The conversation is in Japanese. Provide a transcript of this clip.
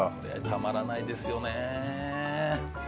たまらないですよね。